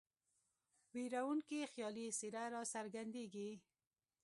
ویرونکې خیالي څېره را څرګندیږي.